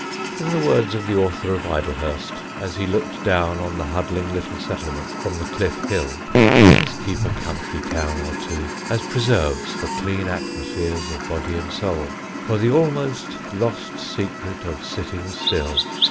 In the words of the author of Idlehurst, as he looked down on the huddling little settlement from the Cliffe Hill: "Let us keep a country town or two as preserves for clean atmospheres of body and soul, for the almost lost secret of sitting still....